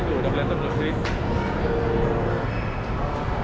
tuh udah beli ternyata